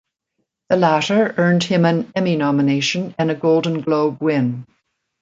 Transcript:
The latter earned him an "Emmy" nomination and a Golden Globe win.